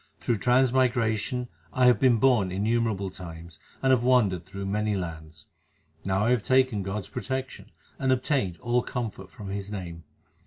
Through transmigration I have been born innumerable times, and have wandered through many lands. Now I have taken God s protection, and obtained all comfort from His name.